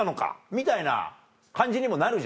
みたいな感じにもなるじゃん。